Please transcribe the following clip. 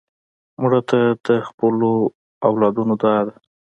مړه ته د خپلو اولادونو دعا ده